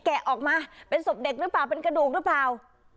แกะออกมาเป็นศพเด็กหรือเปล่าเป็นกระดูกหรือเปล่า